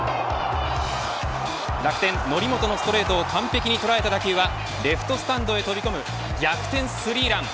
楽天、則本のストレートを完璧に捉えた打球はレフトスタンドへ飛び込む逆転スリーラン。